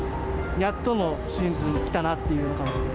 やっとのシーズンきたなっていう感じで。